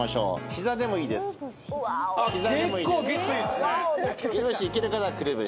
膝でもいいですね。